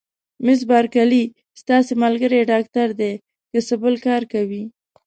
مس بارکلي: ستاسي ملګری ډاکټر دی، که څه بل کار کوي؟